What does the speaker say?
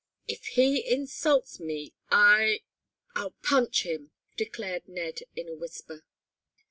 "If he insults me I I'll punch him!" declared Ned in a whisper.